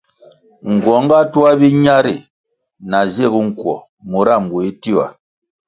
Nguong ga tuah biña ri na zig nkuo mura mbuéh tioa.